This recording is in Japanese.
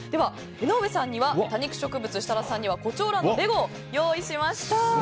江上さんには多肉植物設楽さんには胡蝶蘭のレゴを用意しました。